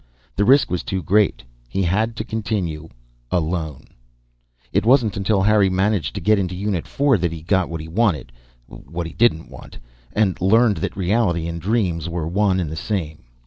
The risk was too great. He had to continue alone. It wasn't until Harry managed to get into Unit Four that he got what he wanted (what he didn't want) and learned that reality and dreams were one and the same.